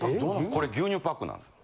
これ牛乳パックなんです。